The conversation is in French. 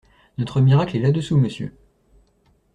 Notre miracle est là-dessous, monsieur!